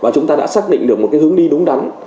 chúng ta đã xác định được một cái hướng đi đúng đắn